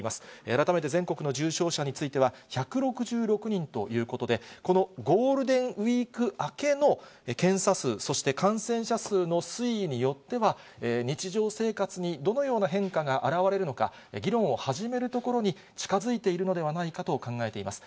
改めて全国の重症者については、１６６人ということで、このゴールデンウィーク明けの検査数、そして感染者数の推移によっては、日常生活にどのような変化が表れるのか、議論を始める所に近づいているのではないかと考えています。